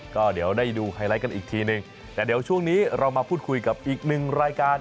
ก็เดี๋ยวได้ดูไฮไลท์กันอีกทีนึงแต่เดี๋ยวช่วงนี้เรามาพูดคุยกับอีกหนึ่งรายการ